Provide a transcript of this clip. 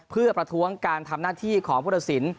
เพื่อประท้วงการทำหน้าที่ของพุทธศิลป